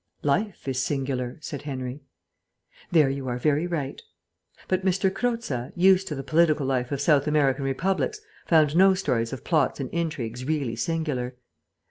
"Life is singular," said Henry. "There you are very right." ... But M. Croza, used to the political life of South American republics, found no stories of plots and intrigues really singular.